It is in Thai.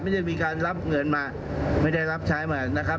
ไม่ได้มีคนรับเงินมาไม่ได้รับใช้มา